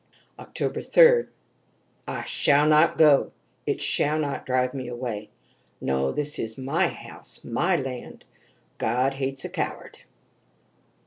"Oct. 3. I shall not go it shall not drive me away. No, this is my house, my land. God hates a coward....